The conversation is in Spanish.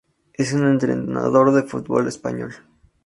Es un entrenador de fútbol español.